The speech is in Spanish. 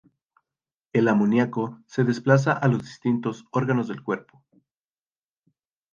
El amoníaco se desplaza a los distintos órganos del cuerpo.